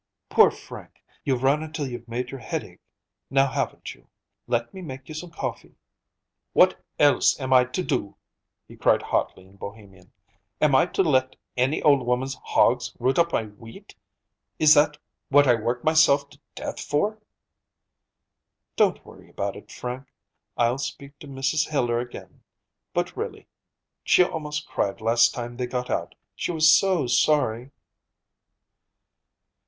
"Poor Frank! You've run until you've made your head ache, now haven't you? Let me make you some coffee." "What else am I to do?" he cried hotly in Bohemian. "Am I to let any old woman's hogs root up my wheat? Is that what I work myself to death for?" "Don't worry about it, Frank. I'll speak to Mrs. Hiller again. But, really, she almost cried last time they got out, she was so sorry."